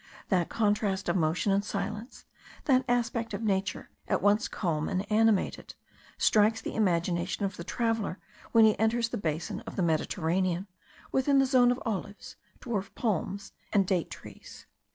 That contrast of motion and silence, that aspect of nature at once calm and animated, strikes the imagination of the traveller when he enters the basin of the Mediterranean, within the zone of olives, dwarf palms, and date trees.